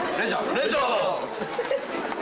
レンジャー！